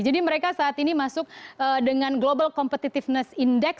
jadi mereka saat ini masuk dengan global competitiveness index